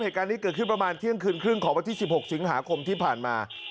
เหตุการณ์นี้เกิดขึ้นประมาณเที่ยงคืนครึ่งของวันที่๑๖สิงหาคมที่ผ่านมา